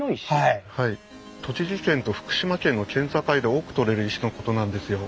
栃木県と福島県の県境で多く採れる石のことなんですよ。